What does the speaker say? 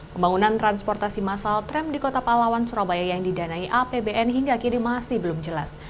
pembangunan transportasi massal tram di kota palawan surabaya yang didanai apbn hingga kini masih belum jelas